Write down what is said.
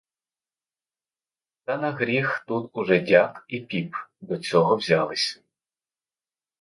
Та на гріх тут уже дяк і піп до цього взялись.